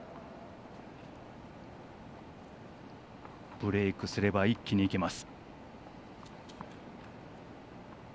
ブレークすれば一気にいけます。